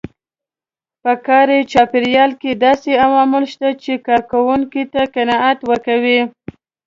په کاري چاپېريال کې داسې عوامل شته چې کار کوونکو ته قناعت ورکوي.